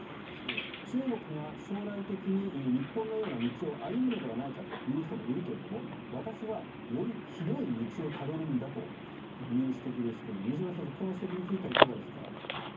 中国が将来的に日本のような道を歩むのではないかと言う人もいるけども私はよりひどい道をたどるんだと思うという指摘ですが西村先生、この指摘についてはいかがですか？